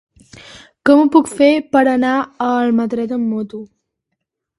Com ho puc fer per anar a Almatret amb moto?